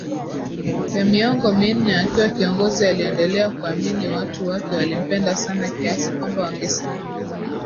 ya miongo minne akiwa kiongozi aliendelea kuamini watu wake walimpenda sana kiasi kwamba wangesimama